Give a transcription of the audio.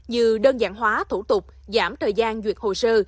như đơn giản hóa thủ tục giảm thời gian duyệt hồ sơ